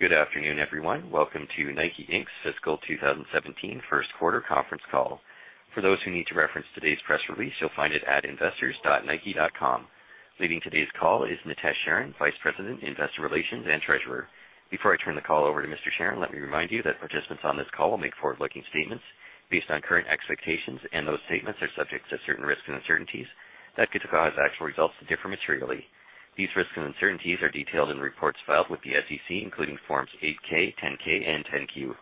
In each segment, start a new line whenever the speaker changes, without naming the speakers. Good afternoon, everyone. Welcome to Nike Inc.'s fiscal 2017 first quarter conference call. For those who need to reference today's press release, you'll find it at investors.nike.com. Leading today's call is Nitesh Sharan, Vice President, Investor Relations and Treasurer. Before I turn the call over to Mr. Sharan, let me remind you that participants on this call will make forward-looking statements based on current expectations, and those statements are subject to certain risks and uncertainties that could cause actual results to differ materially. These risks and uncertainties are detailed in reports filed with the SEC, including Forms 8-K, 10-K, and 10-Q.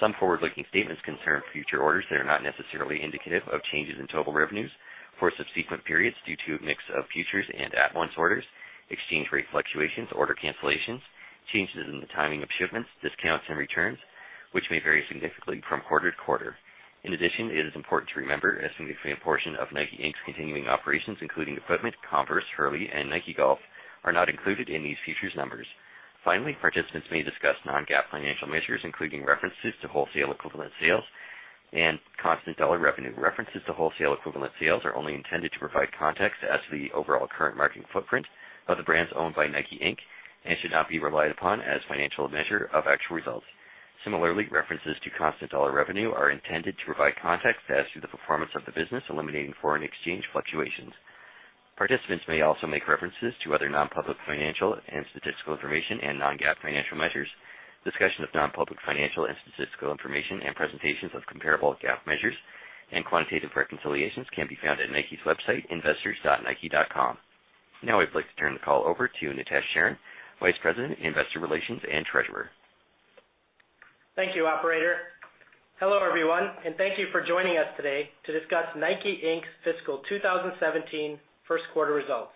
Some forward-looking statements concern future orders that are not necessarily indicative of changes in total revenues for subsequent periods due to a mix of futures and at-once orders, exchange rate fluctuations, order cancellations, changes in the timing of shipments, discounts, and returns, which may vary significantly from quarter to quarter. It is important to remember a significant portion of Nike Inc.'s continuing operations, including Equipment, Converse, Hurley, and Nike Golf are not included in these futures numbers. Participants may discuss non-GAAP financial measures, including references to wholesale equivalent sales and constant dollar revenue. References to wholesale equivalent sales are only intended to provide context as to the overall current market footprint of the brands owned by Nike Inc. and should not be relied upon as financial measure of actual results. References to constant dollar revenue are intended to provide context as to the performance of the business, eliminating foreign exchange fluctuations. Participants may also make references to other non-public financial and statistical information and non-GAAP financial measures. Discussion of non-public financial and statistical information and presentations of comparable GAAP measures and quantitative reconciliations can be found at Nike's website, investors.nike.com. I'd like to turn the call over to Nitesh Sharan, Vice President, Investor Relations and Treasurer.
Thank you, operator. Hello, everyone, and thank you for joining us today to discuss Nike Inc.'s fiscal 2017 first quarter results.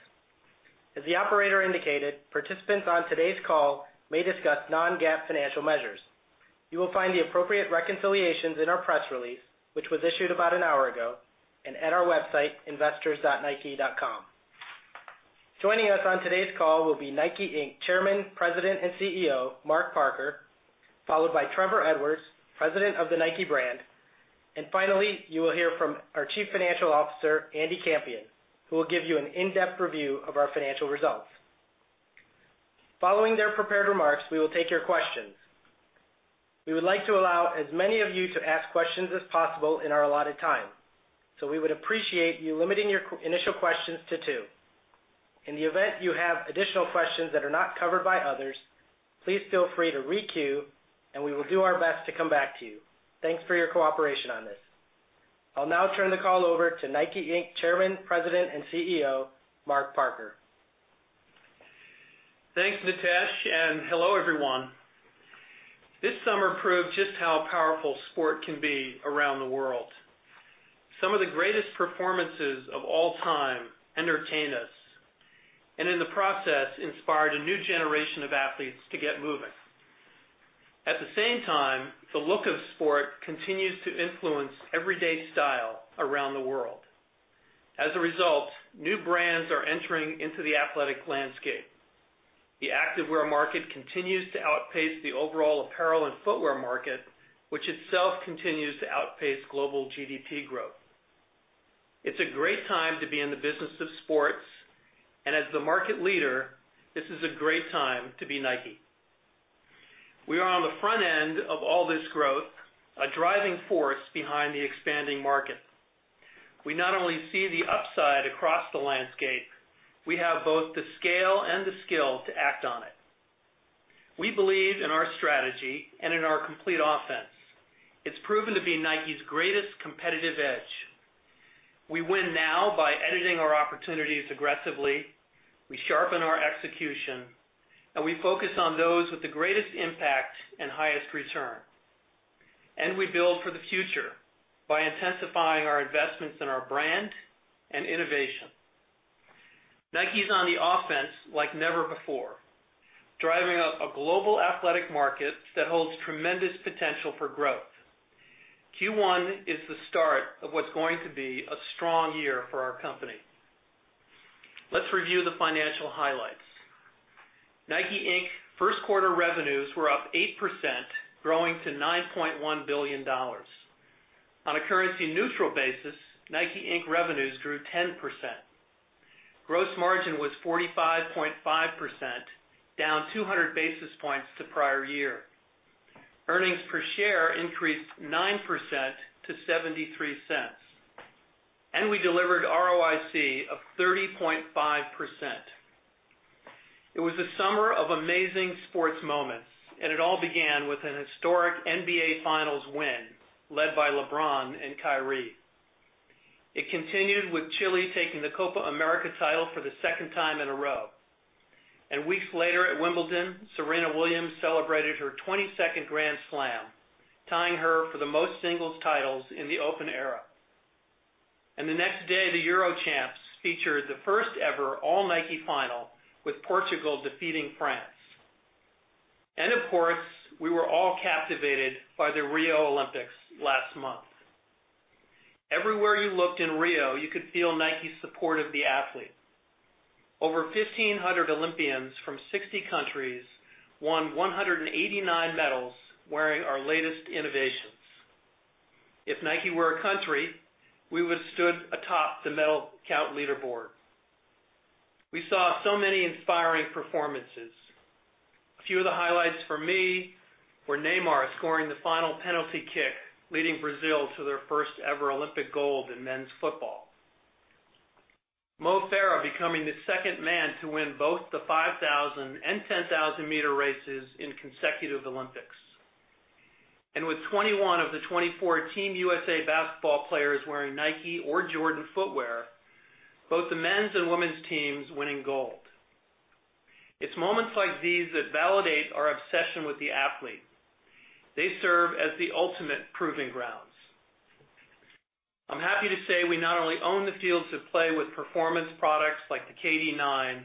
As the operator indicated, participants on today's call may discuss non-GAAP financial measures. You will find the appropriate reconciliations in our press release, which was issued about an hour ago, and at our website, investors.nike.com. Joining us on today's call will be Nike Inc., Chairman, President, and CEO, Mark Parker, followed by Trevor Edwards, President of the Nike brand, and finally, you will hear from our Chief Financial Officer, Andy Campion, who will give you an in-depth review of our financial results. Following their prepared remarks, we will take your questions. We would appreciate you limiting your initial questions to two. In the event you have additional questions that are not covered by others, please feel free to re-queue. We will do our best to come back to you. Thanks for your cooperation on this. I'll now turn the call over to Nike Inc. Chairman, President, and CEO, Mark Parker.
Thanks, Nitesh. Hello, everyone. This summer proved just how powerful sport can be around the world. Some of the greatest performances of all time entertain us. In the process, inspired a new generation of athletes to get moving. At the same time, the look of sport continues to influence everyday style around the world. As a result, new brands are entering into the athletic landscape. The active wear market continues to outpace the overall apparel and footwear market, which itself continues to outpace global GDP growth. It's a great time to be in the business of sports. As the market leader, this is a great time to be Nike. We are on the front end of all this growth, a driving force behind the expanding market. We not only see the upside across the landscape, we have both the scale and the skill to act on it. We believe in our strategy. In our complete offense, it's proven to be Nike's greatest competitive edge. We win now by editing our opportunities aggressively, we sharpen our execution. We focus on those with the greatest impact and highest return. We build for the future by intensifying our investments in our brand and innovation. Nike's on the offense like never before, driving up a global athletic market that holds tremendous potential for growth. Q1 is the start of what's going to be a strong year for our company. Let's review the financial highlights. Nike Inc.'s first quarter revenues were up 8%, growing to $9.1 billion. On a currency-neutral basis, Nike Inc. revenues grew 10%. Gross margin was 45.5%, down 200 basis points to prior year. Earnings per share increased 9% to $0.73. We delivered ROIC of 30.5%. It was a summer of amazing sports moments. It all began with an historic NBA Finals win led by LeBron and Kyrie. It continued with Chile taking the Copa América title for the second time in a row. Weeks later at Wimbledon, Serena Williams celebrated her 22nd Grand Slam, tying her for the most singles titles in the Open Era. The next day, the Euro Champs featured the first ever all-Nike final with Portugal defeating France. Of course, we were all captivated by the Rio Olympics last month. Everywhere you looked in Rio, you could feel Nike's support of the athlete. Over 1,500 Olympians from 60 countries won 189 medals wearing our latest innovations. If Nike were a country, we would have stood atop the medal count leaderboard. We saw so many inspiring performances. A few of the highlights for me were Neymar scoring the final penalty kick, leading Brazil to their first ever Olympic gold in men's football. Mo Farah becoming the second man to win both the 5,000 and 10,000-meter races in consecutive Olympics. With 21 of the 24 Team USA basketball players wearing Nike or Jordan footwear, both the men's and women's teams winning gold. It's moments like these that validate our obsession with the athlete. They serve as the ultimate proving grounds. I'm happy to say we not only own the fields that play with performance products like the KD 9,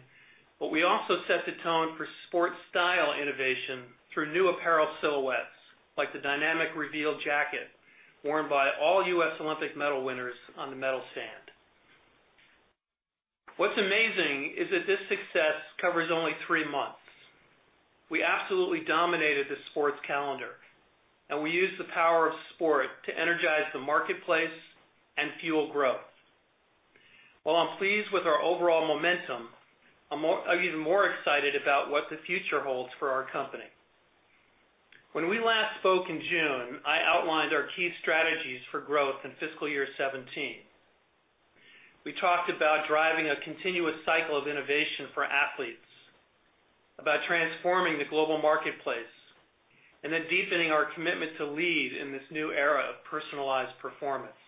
but we also set the tone for sport style innovation through new apparel silhouettes, like the Dynamic Reveal Jacket worn by all U.S. Olympic medal winners on the medal stand. What's amazing is that this success covers only three months. We absolutely dominated the sports calendar, and we used the power of sport to energize the marketplace and fuel growth. While I'm pleased with our overall momentum, I'm even more excited about what the future holds for our company. When we last spoke in June, I outlined our key strategies for growth in fiscal year 2017. We talked about driving a continuous cycle of innovation for athletes, about transforming the global marketplace, deepening our commitment to lead in this new era of personalized performance.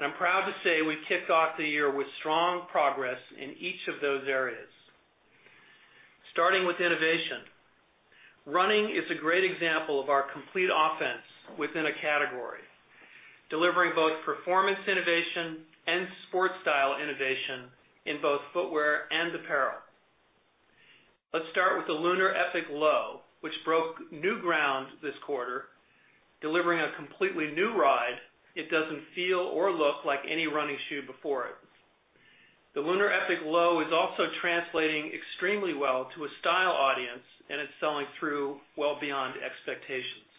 I'm proud to say we kicked off the year with strong progress in each of those areas. Starting with innovation. Running is a great example of our complete offense within a category, delivering both performance innovation and sport style innovation in both footwear and apparel. Let's start with the LunarEpic Low, which broke new ground this quarter, delivering a completely new ride. It doesn't feel or look like any running shoe before it. The LunarEpic Low is also translating extremely well to a style audience, and it's selling through well beyond expectations.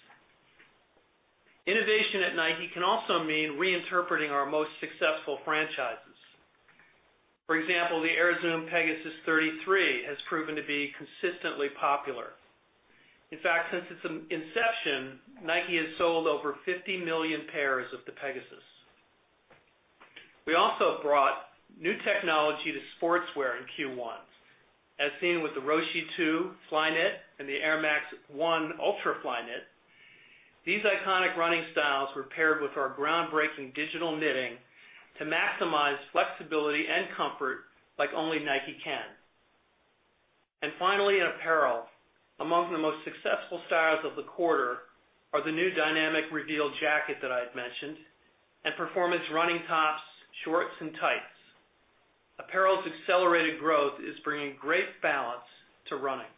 Innovation at Nike can also mean reinterpreting our most successful franchises. For example, the Air Zoom Pegasus 33 has proven to be consistently popular. In fact, since its inception, Nike has sold over 50 million pairs of the Pegasus. We also brought new technology to sportswear in Q1, as seen with the Roshe Two Flyknit and the Air Max 1 Ultra Flyknit. These iconic running styles were paired with our groundbreaking digital knitting to maximize flexibility and comfort like only Nike can. Finally, in apparel, among the most successful styles of the quarter are the new Dynamic Reveal Jacket that I had mentioned and performance running tops, shorts, and tights. Apparel's accelerated growth is bringing great balance to running.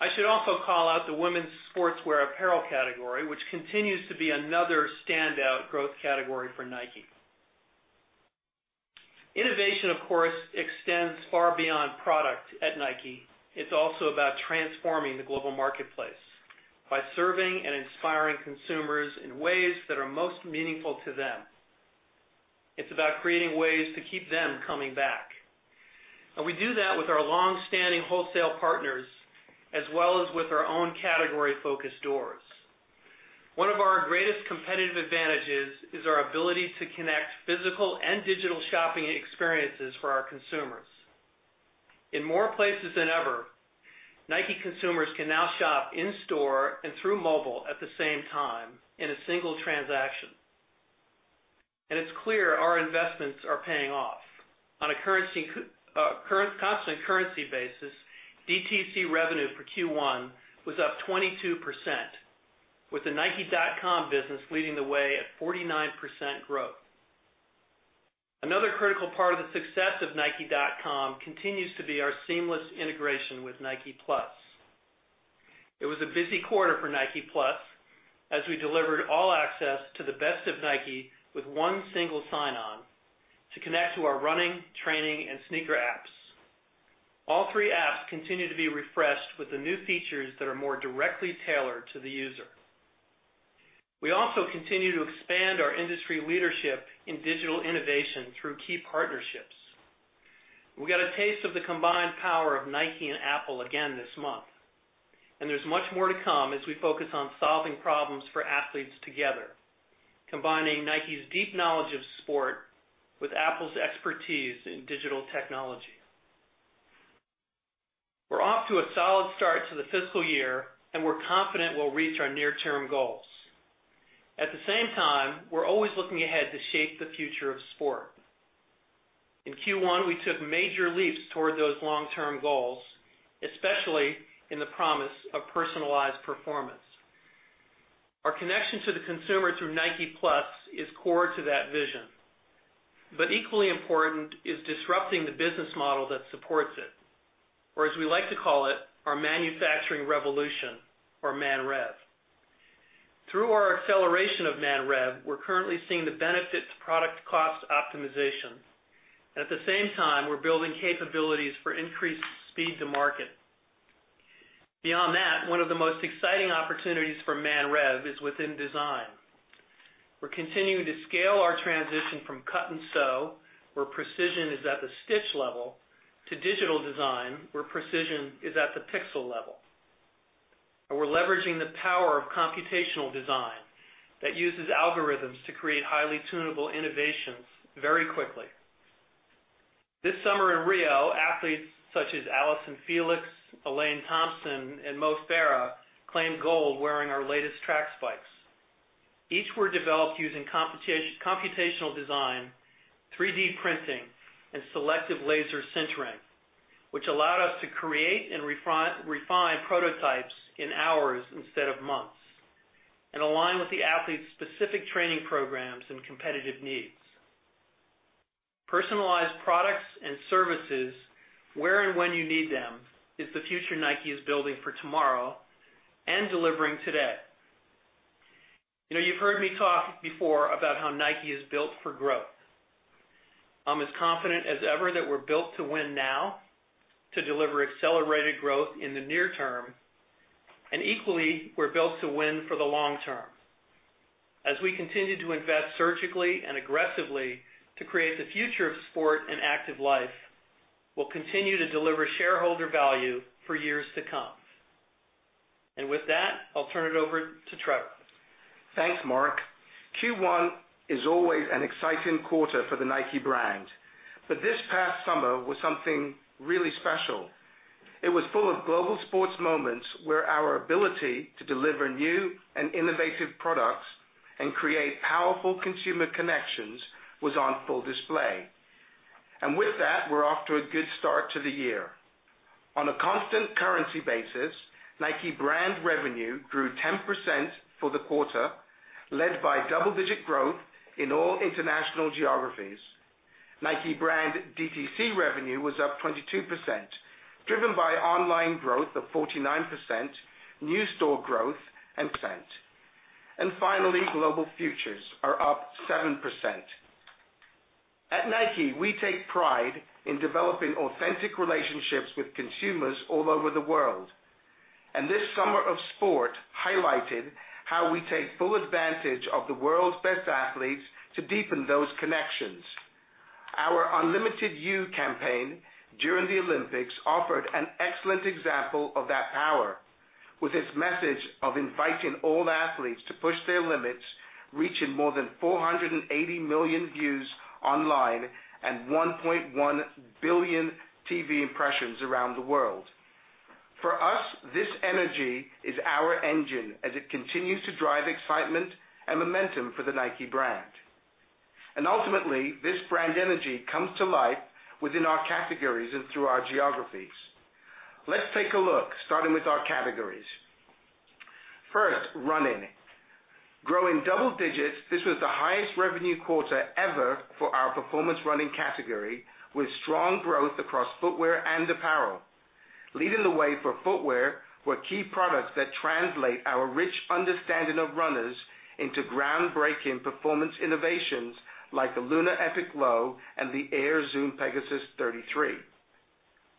I should also call out the women's sportswear apparel category, which continues to be another standout growth category for Nike. Innovation, of course, extends far beyond product at Nike. It's also about transforming the global marketplace by serving and inspiring consumers in ways that are most meaningful to them. It's about creating ways to keep them coming back. We do that with our longstanding wholesale partners, as well as with our own category-focused doors. One of our greatest competitive advantages is our ability to connect physical and digital shopping experiences for our consumers. In more places than ever, Nike consumers can now shop in store and through mobile at the same time in a single transaction. It's clear our investments are paying off. On a constant currency basis, DTC revenue for Q1 was up 22%, with the nike.com business leading the way at 49% growth. Another critical part of the success of nike.com continues to be our seamless integration with Nike Plus. It was a busy quarter for Nike Plus as we delivered all-access to the best of Nike with one single sign-on to connect to our running, training, and sneaker apps. All three apps continue to be refreshed with the new features that are more directly tailored to the user. We also continue to expand our industry leadership in digital innovation through key partnerships. We got a taste of the combined power of Nike and Apple again this month. There's much more to come as we focus on solving problems for athletes together, combining Nike's deep knowledge of sport with Apple's expertise in digital technology. We're off to a solid start to the fiscal year. We're confident we'll reach our near-term goals. At the same time, we're always looking ahead to shape the future of sport. In Q1, we took major leaps toward those long-term goals, especially in the promise of personalized performance. Our connection to the consumer through Nike Plus is core to that vision. Equally important is disrupting the business model that supports it. Or as we like to call it, our Manufacturing Revolution or Man Rev. Through our acceleration of Man Rev, we're currently seeing the benefit to product cost optimization. At the same time, we're building capabilities for increased speed to market. Beyond that, one of the most exciting opportunities for Man Rev is within design. We're continuing to scale our transition from cut and sew, where precision is at the stitch level, to digital design, where precision is at the pixel level. We're leveraging the power of computational design that uses algorithms to create highly tunable innovations very quickly. This summer in Rio, athletes such as Allyson Felix, Elaine Thompson, and Mo Farah claimed gold wearing our latest track spikes. Each were developed using computational design, 3D printing, and selective laser sintering, which allowed us to create and refine prototypes in hours instead of months and align with the athletes' specific training programs and competitive needs. Personalized products and services where and when you need them is the future Nike is building for tomorrow and delivering today. You've heard me talk before about how Nike is built for growth. I'm as confident as ever that we're built to win now, to deliver accelerated growth in the near term. Equally, we're built to win for the long term. As we continue to invest surgically and aggressively to create the future of sport and active life, we'll continue to deliver shareholder value for years to come. With that, I'll turn it over to Trevor.
Thanks, Mark. Q1 is always an exciting quarter for the Nike brand, but this past summer was something really special. It was full of global sports moments where our ability to deliver new and innovative products and create powerful consumer connections was on full display. With that, we're off to a good start to the year. On a constant currency basis, Nike brand revenue grew 10% for the quarter, led by double-digit growth in all international geographies. Nike brand DTC revenue was up 22%, driven by online growth of 49%, new store growth and. [inaudible] Finally, global futures are up 7%. At Nike, we take pride in developing authentic relationships with consumers all over the world, and this summer of sport highlighted how we take full advantage of the world's best athletes to deepen those connections. Our Unlimited You campaign during the Olympics offered an excellent example of that power, with its message of inviting all athletes to push their limits, reaching more than 480 million views online and 1.1 billion TV impressions around the world. For us, this energy is our engine as it continues to drive excitement and momentum for the Nike brand. Ultimately, this brand energy comes to life within our categories and through our geographies. Let's take a look, starting with our categories. First, running. Growing double digits, this was the highest revenue quarter ever for our performance running category, with strong growth across footwear and apparel. Leading the way for footwear were key products that translate our rich understanding of runners into groundbreaking performance innovations like the LunarEpic Low and the Air Zoom Pegasus 33.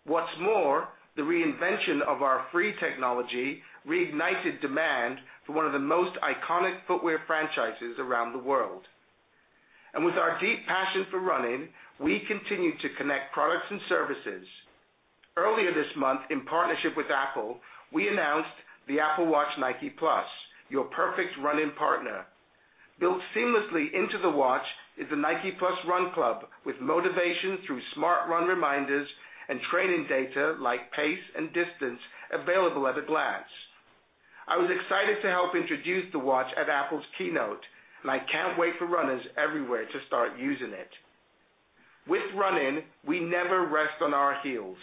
What's more, the reinvention of our Free technology reignited demand for one of the most iconic footwear franchises around the world. With our deep passion for running, we continue to connect products and services. Earlier this month, in partnership with Apple, we announced the Apple Watch Nike+, your perfect running partner. Built seamlessly into the watch is the Nike+ Run Club, with motivation through smart run reminders and training data like pace and distance available at a glance. I was excited to help introduce the watch at Apple's keynote, and I can't wait for runners everywhere to start using it. With running, we never rest on our heels.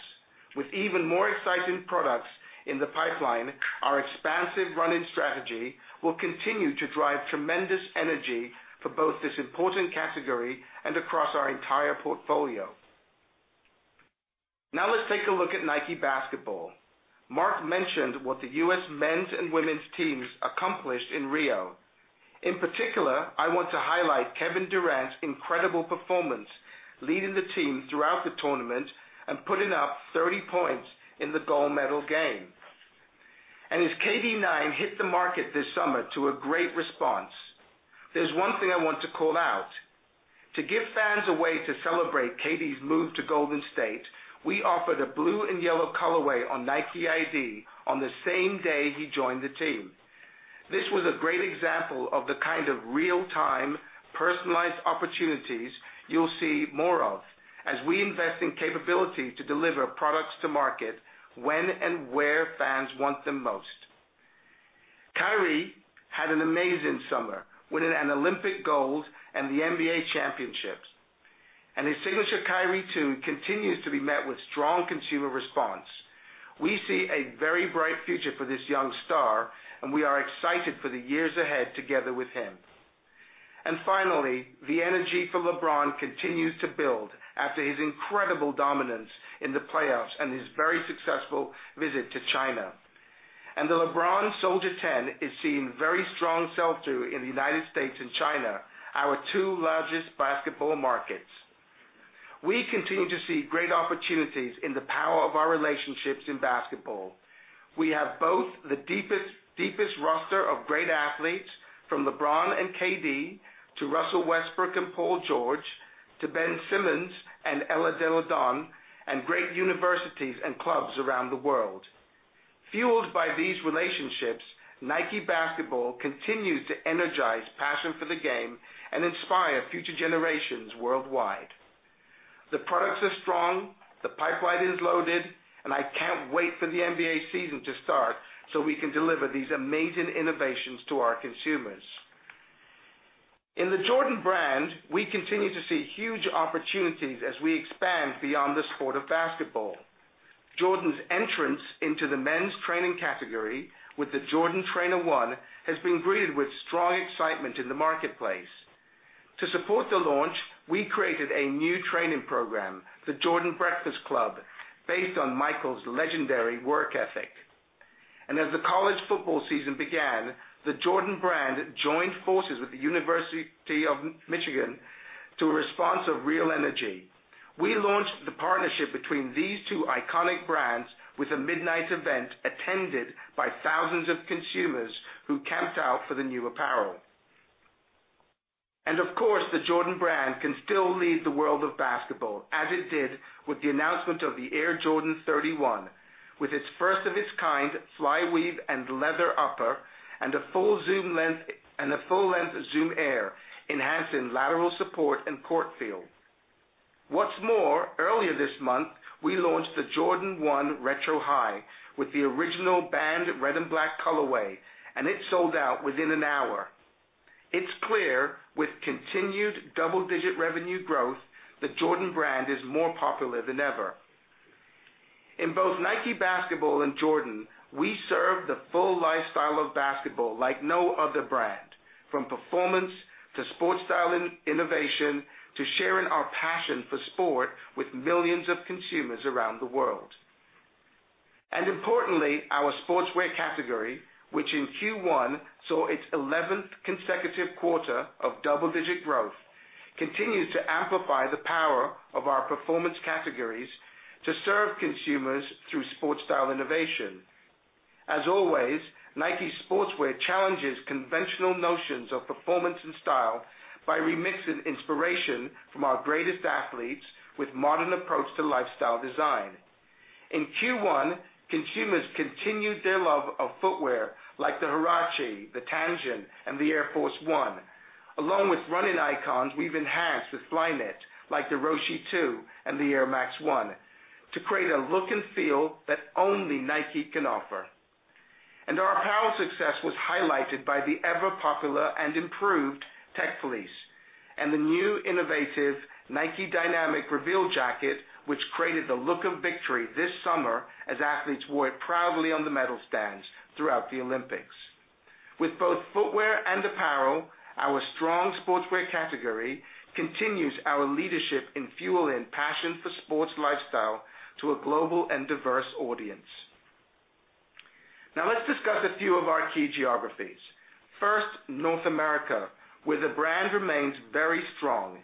With even more exciting products in the pipeline, our expansive running strategy will continue to drive tremendous energy for both this important category and across our entire portfolio. Now let's take a look at Nike Basketball. Mark mentioned what the U.S. men's and women's teams accomplished in Rio. In particular, I want to highlight Kevin Durant's incredible performance, leading the team throughout the tournament and putting up 30 points in the gold medal game. His KD9 hit the market this summer to a great response. There's one thing I want to call out. To give fans a way to celebrate KD's move to Golden State, we offered a blue and yellow colorway on NIKEiD on the same day he joined the team. This was a great example of the kind of real-time, personalized opportunities you'll see more of as we invest in capability to deliver products to market when and where fans want them most. Kyrie had an amazing summer, winning an Olympic gold and the NBA Championships. His signature Kyrie 2 continues to be met with strong consumer response. We see a very bright future for this young star, we are excited for the years ahead together with him. Finally, the energy for LeBron continues to build after his incredible dominance in the playoffs and his very successful visit to China. The LeBron Soldier 10 is seeing very strong sell-through in the U.S. and China, our two largest basketball markets. We continue to see great opportunities in the power of our relationships in basketball. We have both the deepest roster of great athletes, from LeBron and KD, to Russell Westbrook and Paul George, to Ben Simmons and Elena Delle Donne, and great universities and clubs around the world. Fueled by these relationships, Nike Basketball continues to energize passion for the game and inspire future generations worldwide. The products are strong, the pipeline is loaded, I can't wait for the NBA season to start so we can deliver these amazing innovations to our consumers. In the Jordan Brand, we continue to see huge opportunities as we expand beyond the sport of basketball. Jordan's entrance into the men's training category with the Jordan Trainer 1 has been greeted with strong excitement in the marketplace. To support the launch, we created a new training program, the Jordan Breakfast Club, based on Michael's legendary work ethic. As the college football season began, the Jordan Brand joined forces with the University of Michigan to a response of real energy. We launched the partnership between these two iconic brands with a midnight event attended by thousands of consumers who camped out for the new apparel. Of course, the Jordan Brand can still lead the world of basketball as it did with the announcement of the Air Jordan 31. With its first-of-its-kind Flyweave and leather upper, a full length Zoom Air, enhancing lateral support and court feel. What's more, earlier this month, we launched the Jordan 1 Retro High with the original banned red and black colorway. It sold out within an hour. It's clear, with continued double-digit revenue growth, the Jordan Brand is more popular than ever. In both Nike Basketball and Jordan, we serve the full lifestyle of basketball like no other brand. From performance to sport style innovation, to sharing our passion for sport with millions of consumers around the world. Importantly, our sportswear category, which in Q1 saw its 11th consecutive quarter of double-digit growth, continues to amplify the power of our performance categories to serve consumers through sport style innovation. As always, Nike Sportswear challenges conventional notions of performance and style by remixing inspiration from our greatest athletes with modern approach to lifestyle design. In Q1, consumers continued their love of footwear like the Huarache, the Tanjun, and the Air Force 1. Along with running icons, we've enhanced the Flyknit, like the Roshe Two and the Air Max 1, to create a look and feel that only Nike can offer. Our apparel success was highlighted by the ever-popular and improved Tech Fleece and the new innovative Nike Dynamic Reveal Jacket, which created the look of victory this summer as athletes wore it proudly on the medal stands throughout the Olympics. With both footwear and apparel, our strong sportswear category continues our leadership in fueling passion for sports lifestyle to a global and diverse audience. Now let's discuss a few of our key geographies. First, North America, where the brand remains very strong.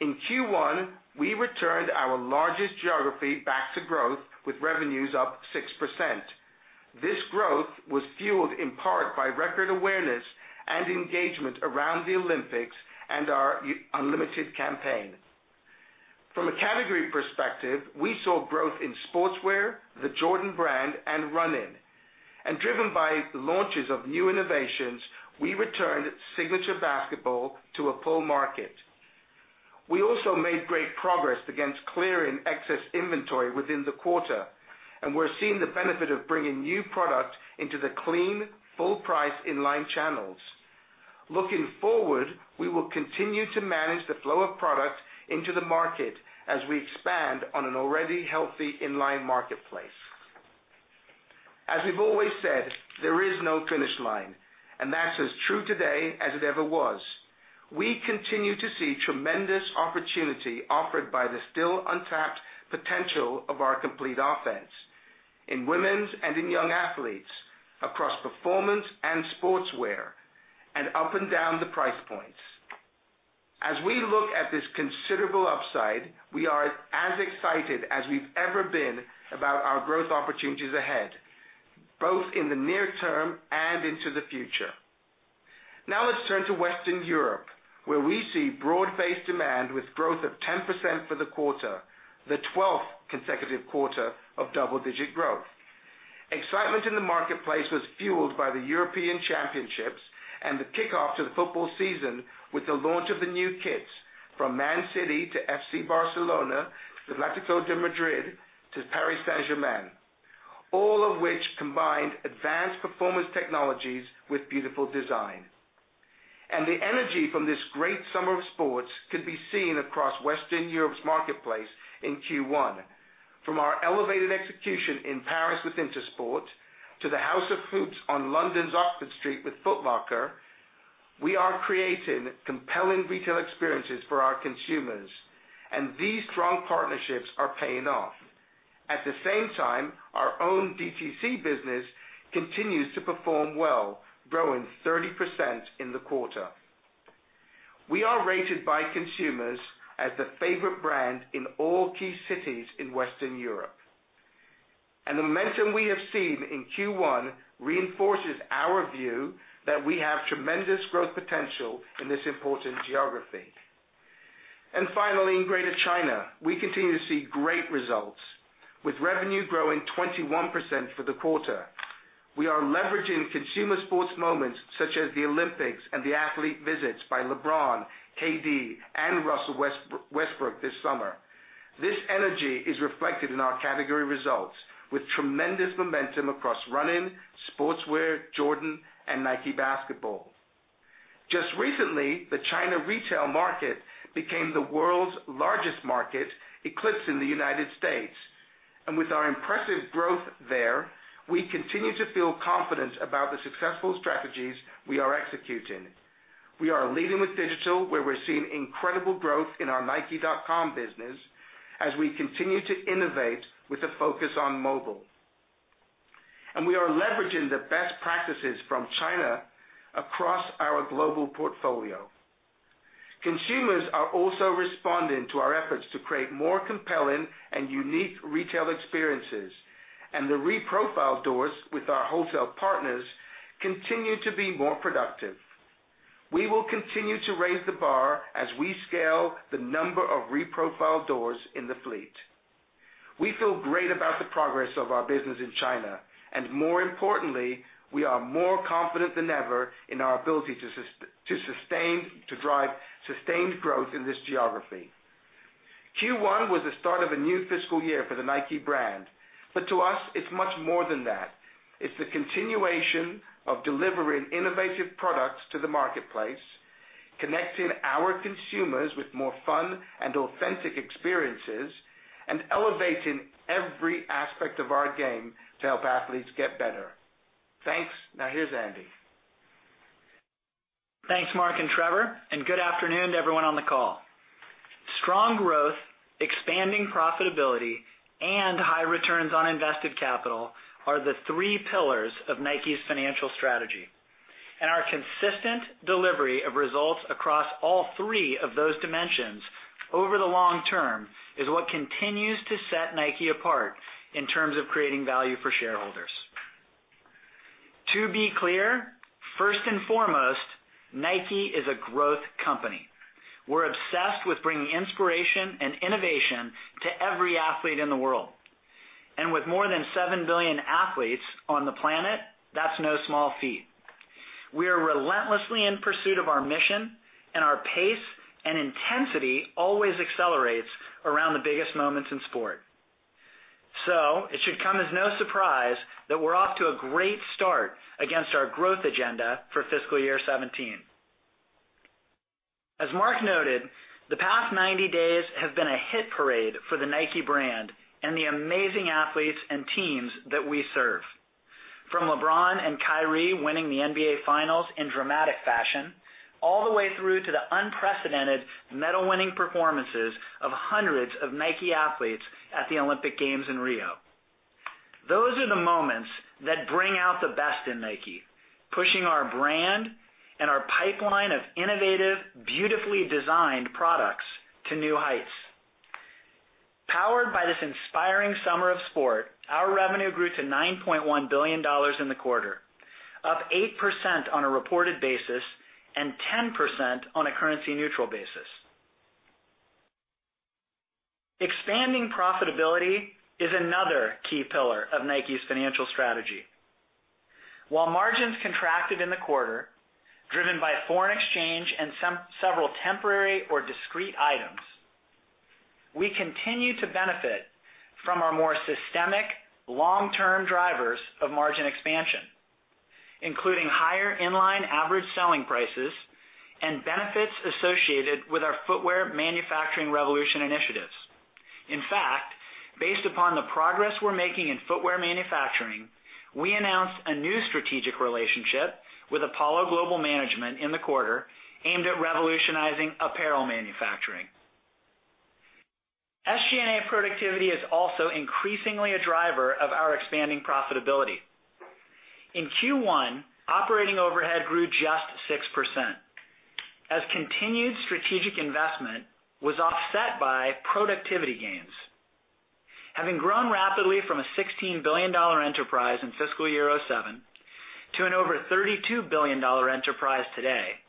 In Q1, we returned our largest geography back to growth, with revenues up 6%. This growth was fueled in part by record awareness and engagement around the Olympics and our Unlimited campaign. From a category perspective, we saw growth in sportswear, the Jordan brand, and running. Driven by the launches of new innovations, we returned signature basketball to a full market. We also made great progress against clearing excess inventory within the quarter, and we're seeing the benefit of bringing new product into the clean, full-price inline channels. Looking forward, we will continue to manage the flow of product into the market as we expand on an already healthy inline marketplace. As we've always said, there is no finish line, and that's as true today as it ever was. We continue to see tremendous opportunity offered by the still untapped potential of our complete offense in women's and in young athletes, across performance and sportswear, and up and down the price points. As we look at this considerable upside, we are as excited as we've ever been about our growth opportunities ahead, both in the near term and into the future. Now let's turn to Western Europe, where we see broad-based demand with growth of 10% for the quarter, the 12th consecutive quarter of double-digit growth. Excitement in the marketplace was fueled by the European Championships and the kickoff to the football season with the launch of the new kits from Man City to FC Barcelona, to Atlético de Madrid, to Paris Saint-Germain, all of which combined advanced performance technologies with beautiful design. The energy from this great summer of sports could be seen across Western Europe's marketplace in Q1. From our elevated execution in Paris with INTERSPORT, to the House of Hoops on London's Oxford Street with Foot Locker. We are creating compelling retail experiences for our consumers, and these strong partnerships are paying off. At the same time, our own DTC business continues to perform well, growing 30% in the quarter. We are rated by consumers as the favorite brand in all key cities in Western Europe. The momentum we have seen in Q1 reinforces our view that we have tremendous growth potential in this important geography. Finally, in Greater China, we continue to see great results, with revenue growing 21% for the quarter. We are leveraging consumer sports moments such as the Olympics and the athlete visits by LeBron, KD, and Russell Westbrook this summer. This energy is reflected in our category results, with tremendous momentum across running, sportswear, Jordan and Nike Basketball. Just recently, the China retail market became the world's largest market, eclipsing the United States. With our impressive growth there, we continue to feel confident about the successful strategies we are executing. We are leading with digital, where we're seeing incredible growth in our nike.com business as we continue to innovate with a focus on mobile. We are leveraging the best practices from China across our global portfolio. Consumers are also responding to our efforts to create more compelling and unique retail experiences, and the reprofiled doors with our wholesale partners continue to be more productive. We will continue to raise the bar as we scale the number of reprofiled doors in the fleet. We feel great about the progress of our business in China, more importantly, we are more confident than ever in our ability to drive sustained growth in this geography. Q1 was the start of a new fiscal year for the Nike brand. To us, it's much more than that. It's the continuation of delivering innovative products to the marketplace, connecting our consumers with more fun and authentic experiences, and elevating every aspect of our game to help athletes get better. Thanks. Now, here's Andy.
Thanks, Mark and Trevor, good afternoon to everyone on the call. Strong growth, expanding profitability, and high returns on invested capital are the three pillars of Nike's financial strategy. Our consistent delivery of results across all three of those dimensions over the long term is what continues to set Nike apart in terms of creating value for shareholders. To be clear, first and foremost, Nike is a growth company. We're obsessed with bringing inspiration and innovation to every athlete in the world. With more than 7 billion athletes on the planet, that's no small feat. We are relentlessly in pursuit of our mission, our pace and intensity always accelerates around the biggest moments in sport. It should come as no surprise that we're off to a great start against our growth agenda for fiscal year 2017. As Mark noted, the past 90 days have been a hit parade for the Nike brand and the amazing athletes and teams that we serve. From LeBron and Kyrie winning the NBA Finals in dramatic fashion, all the way through to the unprecedented medal-winning performances of hundreds of Nike athletes at the Olympic Games in Rio. Those are the moments that bring out the best in Nike, pushing our brand and our pipeline of innovative, beautifully designed products to new heights. Powered by this inspiring summer of sport, our revenue grew to $9.1 billion in the quarter, up 8% on a reported basis and 10% on a currency-neutral basis. Expanding profitability is another key pillar of Nike's financial strategy. While margins contracted in the quarter, driven by foreign exchange and several temporary or discrete items, we continue to benefit from our more systemic long-term drivers of margin expansion, including higher in-line average selling prices and benefits associated with our footwear manufacturing revolution initiatives. In fact, based upon the progress we're making in footwear manufacturing, we announced a new strategic relationship with Apollo Global Management in the quarter aimed at revolutionizing apparel manufacturing. SG&A productivity is also increasingly a driver of our expanding profitability. In Q1, operating overhead grew just 6% as continued strategic investment was offset by productivity gains. Having grown rapidly from a $16 billion enterprise in fiscal year 2007 to an over $32 billion enterprise today,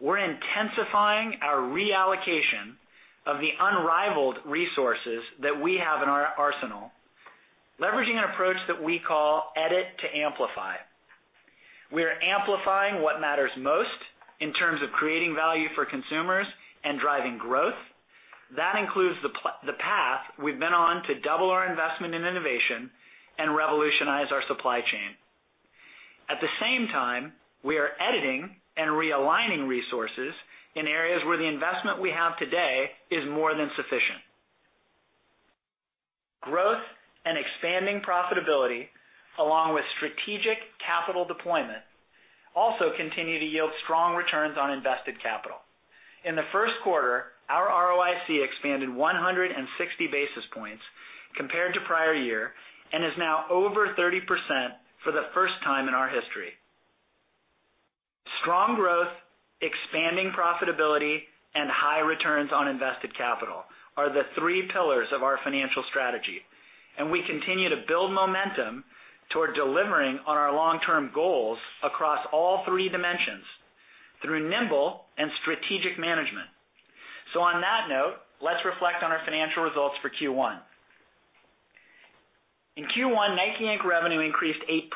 we're intensifying our reallocation of the unrivaled resources that we have in our arsenal, leveraging an approach that we call Edit to Amplify. We are amplifying what matters most in terms of creating value for consumers and driving growth. That includes the path we've been on to double our investment in innovation and revolutionize our supply chain. At the same time, we are editing and realigning resources in areas where the investment we have today is more than sufficient. Expanding profitability along with strategic capital deployment also continue to yield strong returns on invested capital. In the first quarter, our ROIC expanded 160 basis points compared to prior year, and is now over 30% for the first time in our history. Strong growth, expanding profitability, and high returns on invested capital are the three pillars of our financial strategy, and we continue to build momentum toward delivering on our long-term goals across all three dimensions through nimble and strategic management. On that note, let's reflect on our financial results for Q1. In Q1, Nike Inc. revenue increased 8%.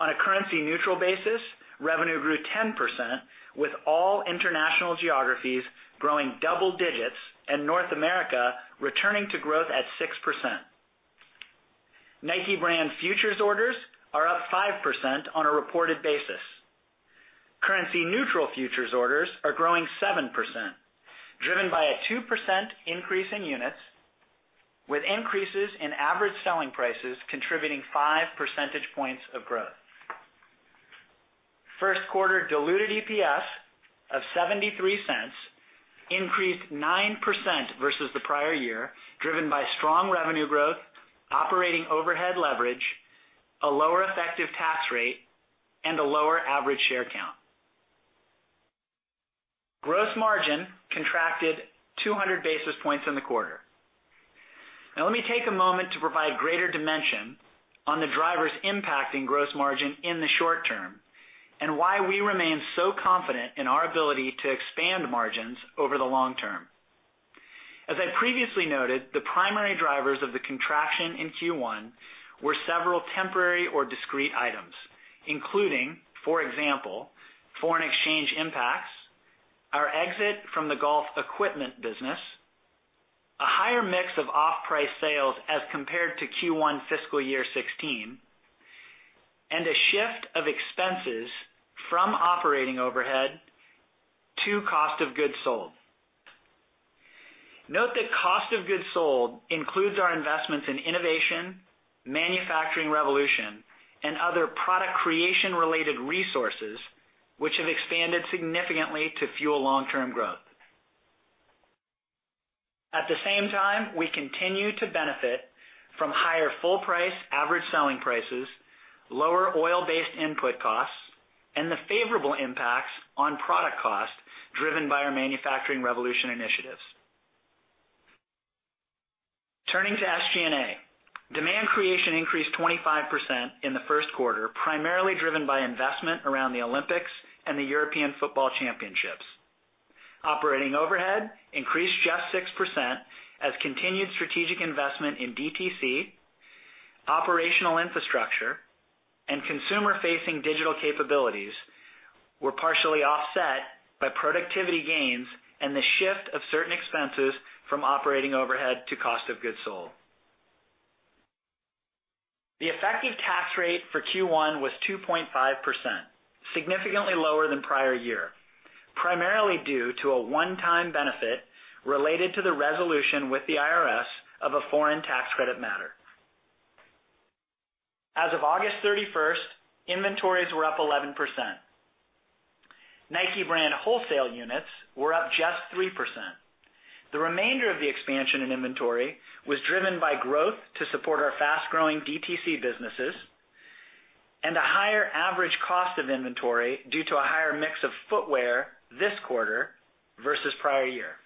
On a currency-neutral basis, revenue grew 10%, with all international geographies growing double digits and North America returning to growth at 6%. Nike brand futures orders are up 5% on a reported basis. Currency neutral futures orders are growing 7%, driven by a 2% increase in units, with increases in average selling prices contributing 5 percentage points of growth. First quarter diluted EPS of $0.73 increased 9% versus the prior year, driven by strong revenue growth, operating overhead leverage, a lower effective tax rate, and a lower average share count. Gross margin contracted 200 basis points in the quarter. Let me take a moment to provide greater dimension on the drivers impacting gross margin in the short term and why we remain so confident in our ability to expand margins over the long term. As I previously noted, the primary drivers of the contraction in Q1 were several temporary or discrete items, including, for example, foreign exchange impacts, our exit from the golf equipment business, a higher mix of off-price sales as compared to Q1 fiscal year 2016, and a shift of expenses from operating overhead to cost of goods sold. Note that cost of goods sold includes our investments in innovation, Manufacturing Revolution, and other product creation-related resources, which have expanded significantly to fuel long-term growth. At the same time, we continue to benefit from higher full price average selling prices, lower oil-based input costs, and the favorable impacts on product cost driven by our Manufacturing Revolution initiatives. Turning to SG&A. Demand creation increased 25% in the first quarter, primarily driven by investment around the Olympics and the European Football Championships. Operating overhead increased just 6% as continued strategic investment in DTC, operational infrastructure, and consumer-facing digital capabilities were partially offset by productivity gains and the shift of certain expenses from operating overhead to cost of goods sold. The effective tax rate for Q1 was 2.5%, significantly lower than prior year, primarily due to a one-time benefit related to the resolution with the IRS of a foreign tax credit matter. As of August 31st, inventories were up 11%. Nike brand wholesale units were up just 3%. The remainder of the expansion in inventory was driven by growth to support our fast-growing DTC businesses and a higher average cost of inventory due to a higher mix of footwear this quarter versus prior year.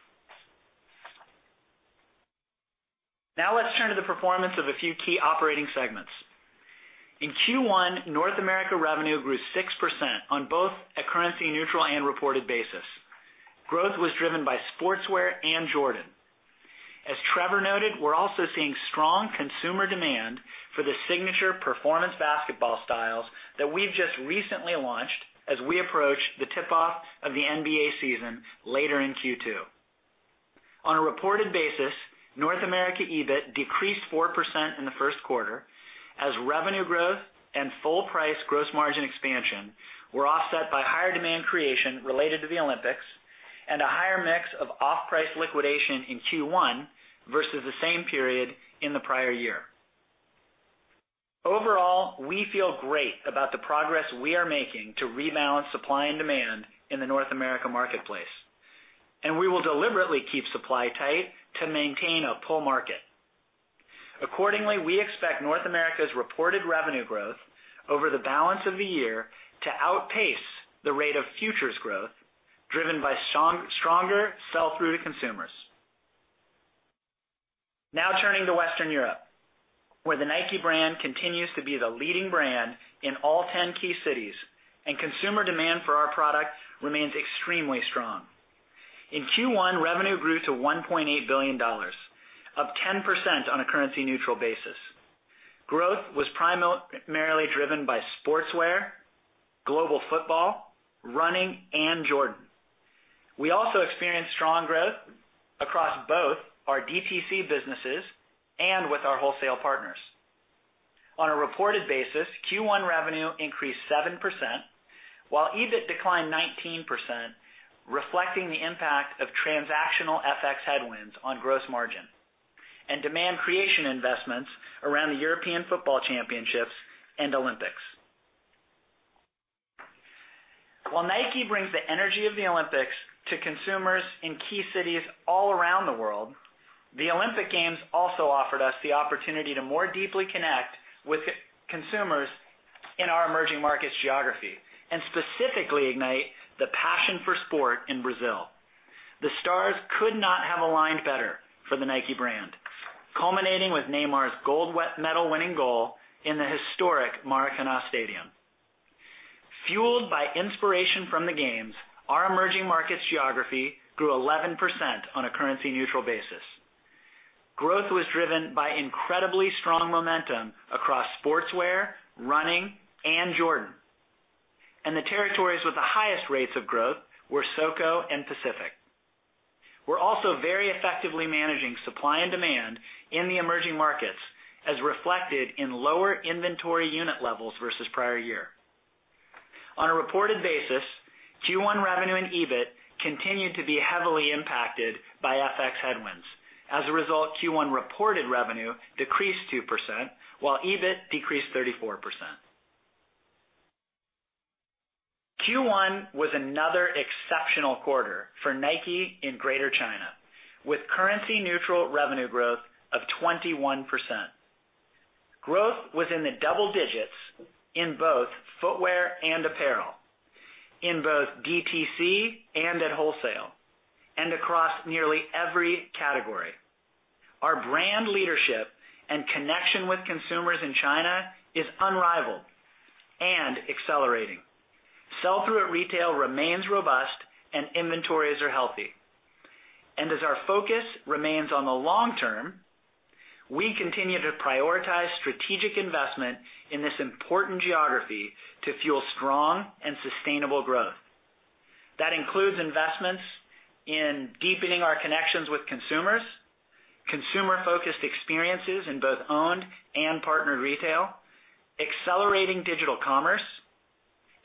Let's turn to the performance of a few key operating segments. In Q1, North America revenue grew 6% on both a currency neutral and reported basis. Growth was driven by Sportswear and Jordan. As Trevor noted, we're also seeing strong consumer demand for the signature performance basketball styles that we've just recently launched as we approach the tip-off of the NBA season later in Q2. On a reported basis, North America EBIT decreased 4% in the first quarter as revenue growth and full-price gross margin expansion were offset by higher demand creation related to the Olympics and a higher mix of off-price liquidation in Q1 versus the same period in the prior year. Overall, we feel great about the progress we are making to rebalance supply and demand in the North America marketplace, and we will deliberately keep supply tight to maintain a pull market. Accordingly, we expect North America's reported revenue growth over the balance of the year to outpace the rate of futures growth, driven by stronger sell-through to consumers. Turning to Western Europe, where the Nike brand continues to be the leading brand in all 10 key cities and consumer demand for our product remains extremely strong. In Q1, revenue grew to $1.8 billion, up 10% on a currency-neutral basis. Growth was primarily driven by Sportswear, Global Football, Running, and Jordan. We also experienced strong growth across both our DTC businesses and with our wholesale partners. On a reported basis, Q1 revenue increased 7%, while EBIT declined 19%, reflecting the impact of transactional FX headwinds on gross margin and demand creation investments around the European Football Championships and Olympics. While Nike brings the energy of the Olympics to consumers in key cities all around the world, the Olympic Games also offered us the opportunity to more deeply connect with consumers in our emerging markets geography, and specifically ignite the passion for sport in Brazil. The stars could not have aligned better for the Nike brand, culminating with Neymar's gold medal-winning goal in the historic Maracanã Stadium. Fueled by inspiration from the games, our emerging markets geography grew 11% on a currency-neutral basis. Growth was driven by incredibly strong momentum across Sportswear, Running, and Jordan. The territories with the highest rates of growth were SoCo and Pacific. We're also very effectively managing supply and demand in the emerging markets, as reflected in lower inventory unit levels versus prior year. On a reported basis, Q1 revenue and EBIT continued to be heavily impacted by FX headwinds. As a result, Q1 reported revenue decreased 2%, while EBIT decreased 34%. Q1 was another exceptional quarter for Nike in Greater China, with currency-neutral revenue growth of 21%. Growth was in the double digits in both footwear and apparel, in both DTC and at wholesale, and across nearly every category. Our brand leadership and connection with consumers in China is unrivaled and accelerating. Sell-through at retail remains robust and inventories are healthy. As our focus remains on the long term, we continue to prioritize strategic investment in this important geography to fuel strong and sustainable growth. That includes investments in deepening our connections with consumers, consumer-focused experiences in both owned and partnered retail, accelerating digital commerce,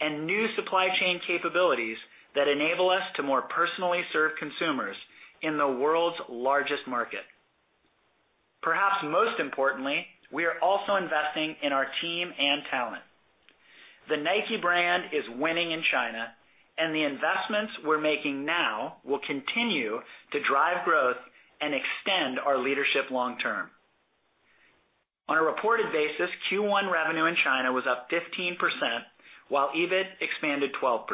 and new supply chain capabilities that enable us to more personally serve consumers in the world's largest market. Perhaps most importantly, we are also investing in our team and talent. The Nike brand is winning in China, and the investments we're making now will continue to drive growth and extend our leadership long term. On a reported basis, Q1 revenue in China was up 15%, while EBIT expanded 12%.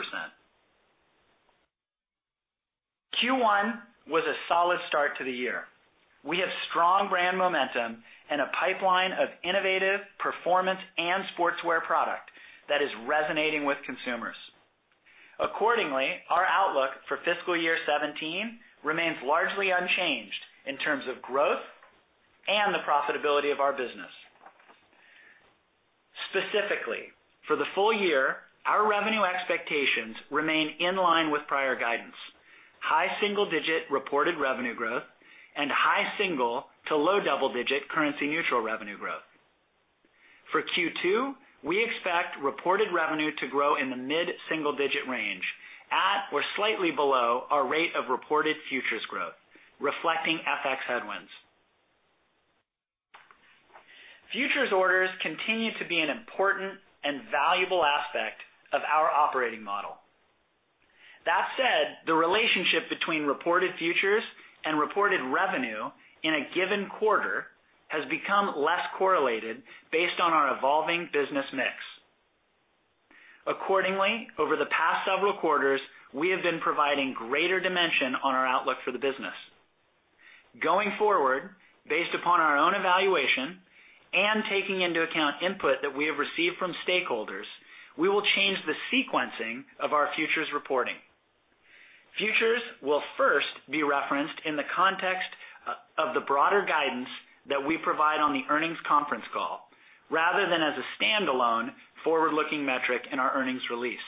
Q1 was a solid start to the year. We have strong brand momentum and a pipeline of innovative performance and sportswear product that is resonating with consumers. Accordingly, our outlook for fiscal year 2017 remains largely unchanged in terms of growth and the profitability of our business. Specifically, for the full year, our revenue expectations remain in line with prior guidance, high single-digit reported revenue growth and high single to low double-digit currency-neutral revenue growth. For Q2, we expect reported revenue to grow in the mid-single-digit range, at or slightly below our rate of reported futures growth, reflecting FX headwinds. Futures orders continue to be an important and valuable aspect of our operating model. That said, the relationship between reported futures and reported revenue in a given quarter has become less correlated based on our evolving business mix. Accordingly, over the past several quarters, we have been providing greater dimension on our outlook for the business. Going forward, based upon our own evaluation and taking into account input that we have received from stakeholders, we will change the sequencing of our futures reporting. Futures will first be referenced in the context of the broader guidance that we provide on the earnings conference call rather than as a standalone forward-looking metric in our earnings release.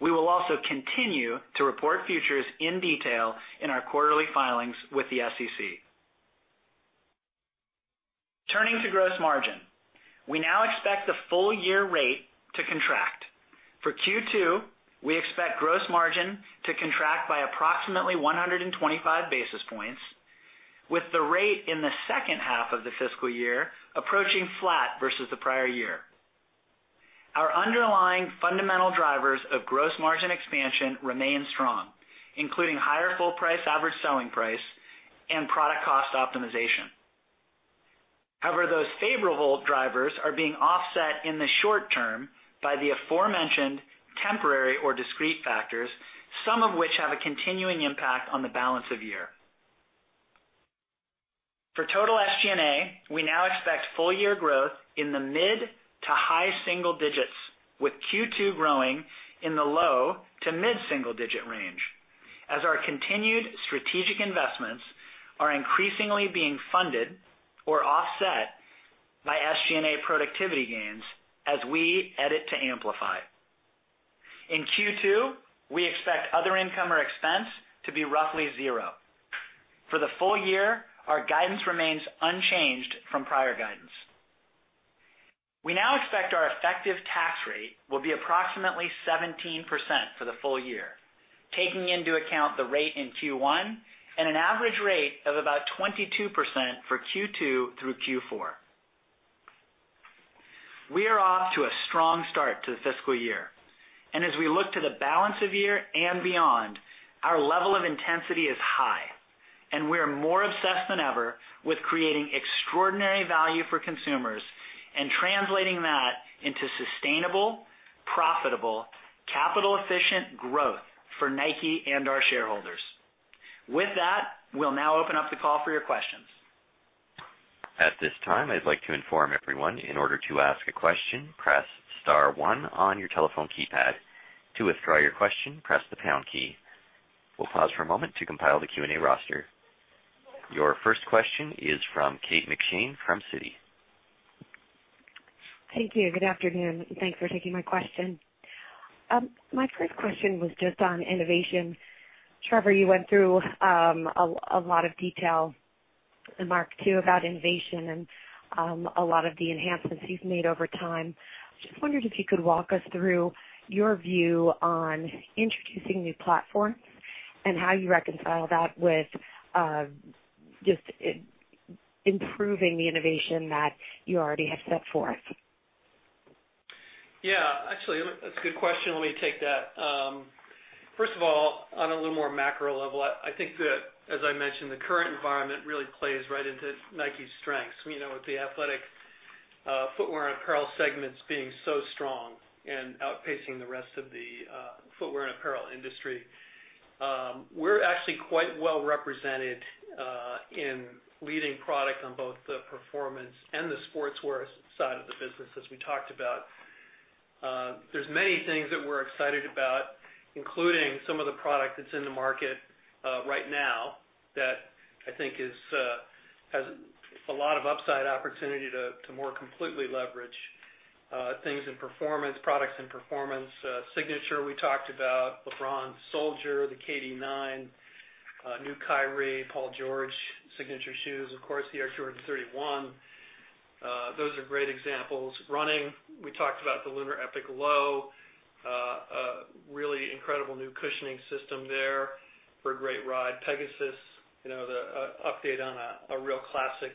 We will also continue to report futures in detail in our quarterly filings with the SEC. Turning to gross margin. We now expect the full year rate to contract. For Q2, we expect gross margin to contract by approximately 125 basis points, with the rate in the second half of the fiscal year approaching flat versus the prior year. However, those favorable drivers are being offset in the short term by the aforementioned temporary or discrete factors, some of which have a continuing impact on the balance of year. For total SG&A, we now expect full year growth in the mid-to-high single digits, with Q2 growing in the low-to-mid single-digit range as our continued strategic investments are increasingly being funded or offset by SG&A productivity gains as we Edit to Amplify. In Q2, we expect other income or expense to be roughly zero. For the full year, our guidance remains unchanged from prior guidance. We now expect our effective tax rate will be approximately 17% for the full year, taking into account the rate in Q1 and an average rate of about 22% for Q2 through Q4. We are off to a strong start to the fiscal year, and as we look to the balance of year and beyond, our level of intensity is high and we are more obsessed than ever with creating extraordinary value for consumers and translating that into sustainable, profitable, capital-efficient growth for Nike and our shareholders. With that, we'll now open up the call for your questions.
At this time, I'd like to inform everyone, in order to ask a question, press star one on your telephone keypad. To withdraw your question, press the pound key. We'll pause for a moment to compile the Q&A roster. Your first question is from Kate McShane from Citi.
Thank you. Good afternoon. Thanks for taking my question. My first question was just on innovation. Trevor, you went through a lot of detail, and Mark too, about innovation and a lot of the enhancements you've made over time. Just wondered if you could walk us through your view on introducing new platforms and how you reconcile that with just improving the innovation that you already have set forth.
Actually, that's a good question. Let me take that. First of all, on a little more macro level, I think that, as I mentioned, the current environment really plays right into Nike's strengths. With the Athletic Footwear and Apparel segments being so strong and outpacing the rest of the footwear and apparel industry. We're actually quite well represented in leading product on both the performance and the sportswear side of the business, as we talked about. There's many things that we're excited about, including some of the product that's in the market right now that I think has a lot of upside opportunity to more completely leverage things in performance, products in performance. Signature, we talked about LeBron Soldier, the KD9, new Kyrie, Paul George signature shoes. Of course, the Air Jordan 31. Those are great examples. Running, we talked about the LunarEpic Low. A really incredible new cushioning system there for a great ride. Pegasus, the update on a real classic